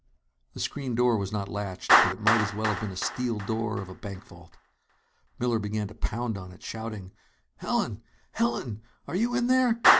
The screen door was not latched, but it might as well have been the steel door of a bank vault. Miller began to pound on it, shouting: "Helen! Helen, are you in there?